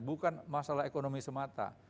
bukan masalah ekonomi semata